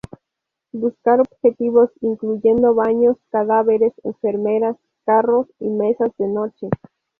Buscar objetos incluyendo baños, cadáveres, enfermeras, carros, y mesas de noche.